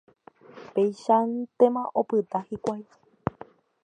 Péichantema opyta hikuái.